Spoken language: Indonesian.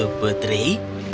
sepertinya begitu putri